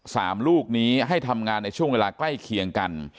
ลูกนี้ให้ทำงานในช่วงเวลาใกล้เคียงกัน